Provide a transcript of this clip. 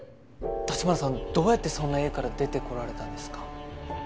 城華さんどうやってそんな家から出てこられたんですか？